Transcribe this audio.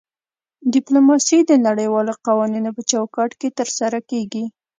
ډیپلوماسي د نړیوالو قوانینو په چوکاټ کې ترسره کیږي